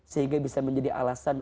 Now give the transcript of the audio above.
sehingga bisa menjadi alasan